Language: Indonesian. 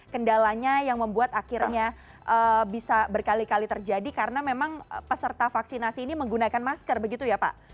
kendalanya yang membuat akhirnya bisa berkali kali terjadi karena memang peserta vaksinasi ini menggunakan masker begitu ya pak